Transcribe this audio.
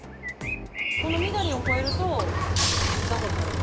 この緑を越えると拿捕される？